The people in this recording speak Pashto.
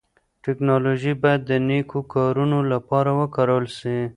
ټکنالوژي بايد د نيکو کارونو لپاره وکارول سي.